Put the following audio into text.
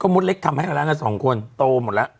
ไม่ใช่แหละ๒คนโตหมดแล้ว